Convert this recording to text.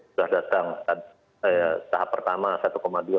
sudah datang tahap pertama satu dua juta